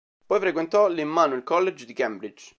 Poi frequentò l'Emmanuel College di Cambridge.